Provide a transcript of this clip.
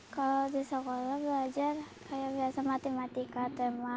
kalau di sekolah belajar kayak biasa matematika tema